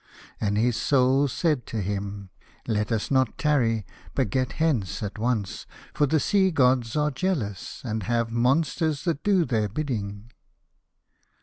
And his Soul said to him, " Let us not 109 A House of Pomegranates. tarry, but get hence at once, for the Sea gods are jealous, and have monsters that do their bidding."